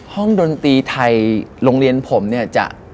ดนตรีไทยโรงเรียนผมเนี่ยจะ